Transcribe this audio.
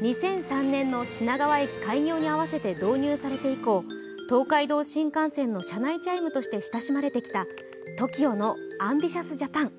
２００３年の品川駅開業に合わせて導入されて以降東海道新幹線の車内チャイムとして親しまれてきたＴＯＫＩＯの「ＡＭＢＩＴＩＯＵＳＪＡＰＡＮ！」。